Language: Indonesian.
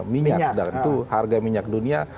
minyak dan itu harga minyak dunia